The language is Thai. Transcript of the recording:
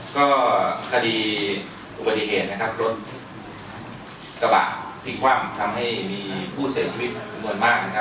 คดีการรถกระบะทิ้งความทำให้มีผู้เสียชีวิตมุดมาก